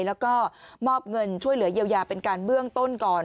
แล้วก็มอบเงินช่วยเหลือเยียวยาเป็นการเบื้องต้นก่อน